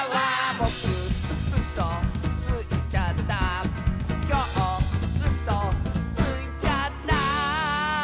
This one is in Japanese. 「ぼくうそついちゃった」「きょううそついちゃった」